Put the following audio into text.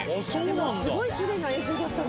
「でもすごいきれいな映像だったね」